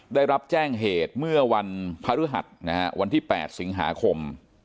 ได้รับแจ้งเหตุเมื่อวันพฤหัสวันที่๘สิงหาคม